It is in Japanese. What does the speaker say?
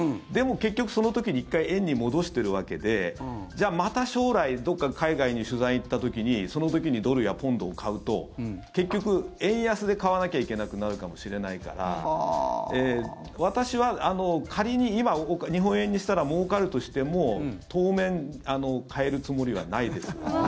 でも結局、その時に１回円に戻してるわけでじゃあまた将来どこか海外に取材に行った時にその時にドルやポンドを買うと結局、円安で買わなきゃいけなくなるかもしれないから私は仮に今、日本円にしたらもうかるとしても当面、替えるつもりはないです。